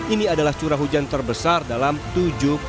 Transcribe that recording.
ini adalah curah hujan terbesar dan terbaik